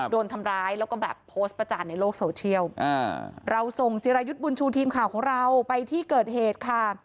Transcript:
โดนทำร้ายแล้วก็แบบโพสต์ประจานในโลกโซเชียลเราส่งจิรายุทธ์บุญชูทีมข่าวของเราไปที่เกิดเหตุค่ะ